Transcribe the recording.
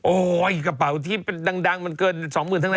โอ๊ยกระเป๋าที่ดังมันเกิน๒หมื่นทั้งแน่